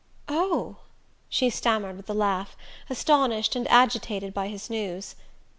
"Oh " she stammered with a laugh, astonished and agitated by his news.